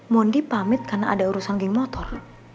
mondi pamit karena ada urusan geng motor